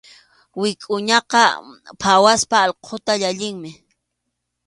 Wikʼuñaqa phawaspa allquta llallinmi.